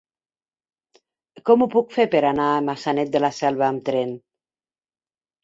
Com ho puc fer per anar a Maçanet de la Selva amb tren?